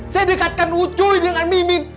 saya dekatkan ucuy dengan mimin